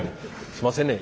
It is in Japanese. すいませんね。